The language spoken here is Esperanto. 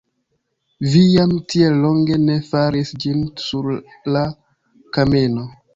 Vi jam tiel longe ne faris ĝin sur la kameno!